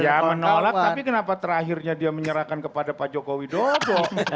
ya menolak tapi kenapa terakhirnya dia menyerahkan kepada pak joko widodo